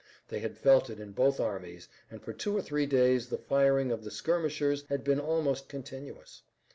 They had felt it in both armies, and for two or three days the firing of the skirmishers had been almost continuous.